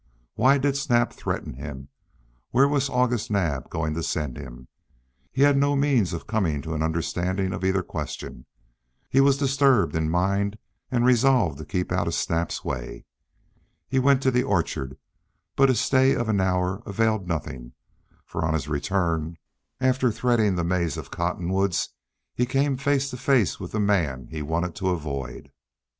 Why did Snap threaten him? Where was August Naab going to send him? Hare had no means of coming to an understanding of either question. He was disturbed in mind and resolved to keep out of Snap's way. He went to the orchard, but his stay of an hour availed nothing, for on his return, after threading the maze of cottonwoods, he came face to face with the man he wanted to avoid.